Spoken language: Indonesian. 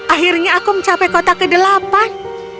akhirnya aku mencapai kota kedelapan